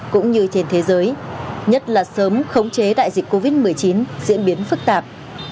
cũng như trên thế giới nhất là sớm khống chế đại dịch covid một mươi chín diễn biến phức tạp